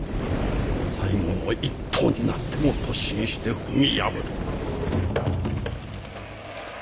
最後の１頭になっても突進して踏み破る。